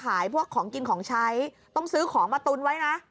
พวกของกินของใช้ต้องซื้อของมาตุนไว้นะ